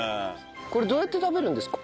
これどうやって食べるんですか？